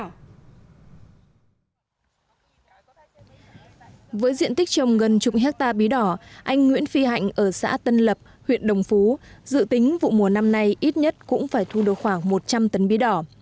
với diện tích trồng gần chục hectare bí đỏ anh nguyễn phi hạnh ở xã tân lập huyện đồng phú dự tính vụ mùa năm nay ít nhất cũng phải thu được khoảng một trăm linh tấn bí đỏ